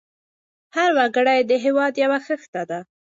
هر وګړی د هېواد یو خښته ده.